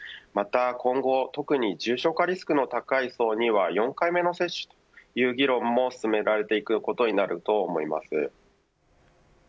また今後特に重症化リスクの高い層には４回目の接種という議論も進められていくことになると思います。